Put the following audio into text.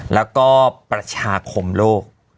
แล้วก็ประชาคมโลก